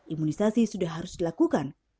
imunisasi sudah harus dilakukan